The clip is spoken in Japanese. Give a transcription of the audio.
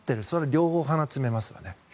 両方、鼻を詰めますよね。